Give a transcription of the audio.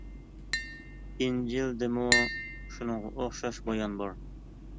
«ئىنجىل» دىمۇ شۇنىڭغا ئوخشاش بايان بار.